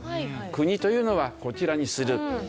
國というのはこちらにする。